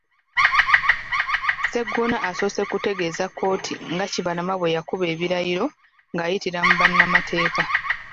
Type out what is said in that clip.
Sseggona asoose kutegeeza kkooti nga Kibalama bwe yakuba ebirayiro ng'ayitira mu bannamateeka.